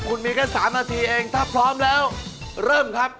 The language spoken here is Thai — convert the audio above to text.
คุณมีแค่๓นาทีเองถ้าพร้อมแล้วเริ่มครับ